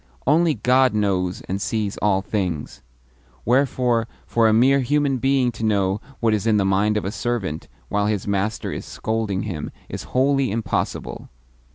Only God knows and sees all things; wherefore for a mere human being to know what is in the mind of a servant while his master is scolding him is wholly impossible.